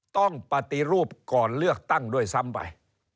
ต้องปฏิรูปก่อนเลือกตั้งด้วยซ้ำไป